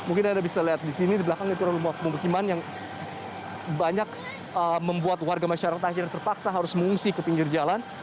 mungkin anda bisa lihat di sini di belakang itu ada rumah pemukiman yang banyak membuat warga masyarakat akhirnya terpaksa harus mengungsi ke pinggir jalan